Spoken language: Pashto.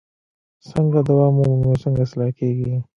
څنګه دوام ومومي او څنګه اصلاح کیږي؟